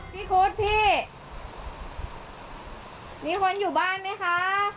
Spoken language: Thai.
คุดพี่มีคนอยู่บ้านไหมคะ